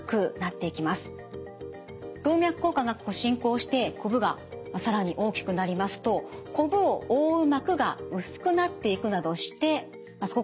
動脈硬化が進行してこぶが更に大きくなりますとこぶを覆う膜が薄くなっていくなどしてそこが破けやすくなってしまうんですね。